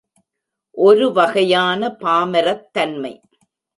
ஒரு வகையான பாமரத் தன்மை.